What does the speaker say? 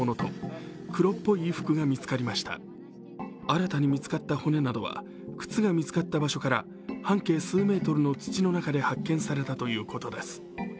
新たに見つかった骨などは靴が見つかった場所から半径数メートルの土の中で発見されたということです。